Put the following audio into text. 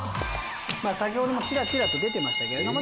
先ほどチラチラ出てましたけど。